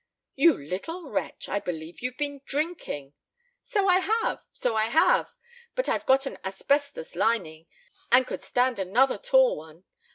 "You little wretch! I believe you've been drinking." "So I have! So I have! But I've got an asbestos lining and could stand another tall one.